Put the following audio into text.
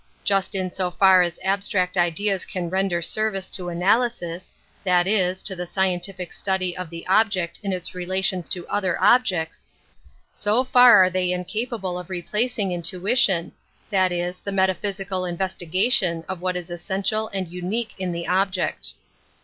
Just in so far as abstract ideas can render service to analysis, that is, to the scientific study of the object in its relations to other objects, so far are they incapable of replac . ing intuition, that is, the metaphysical in vestigation of what is essential and unique in the object.